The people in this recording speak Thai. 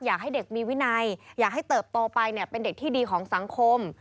อยากให้เด็กมีวินัยอยากให้เติบโตไปเป็นเด็กที่ดีของสังคม